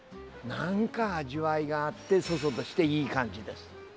なんか味わいがあって楚々としていい感じです。